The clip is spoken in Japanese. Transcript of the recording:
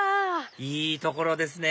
いい所ですね